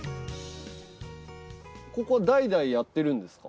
ここは代々やってるんですか？